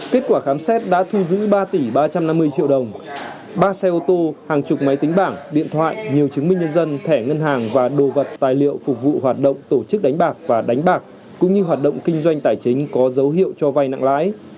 kết quả khám xét đã thu giữ ba tỷ ba trăm năm mươi triệu đồng ba xe ô tô hàng chục máy tính bảng điện thoại nhiều chứng minh nhân dân thẻ ngân hàng và đồ vật tài liệu phục vụ hoạt động tổ chức đánh bạc và đánh bạc cũng như hoạt động kinh doanh tài chính có dấu hiệu cho vay nặng lãi